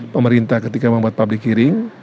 pemerintah ketika membuat public hearing